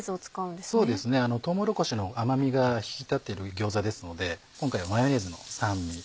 とうもろこしの甘みが引き立ってる餃子ですので今回はマヨネーズの酸味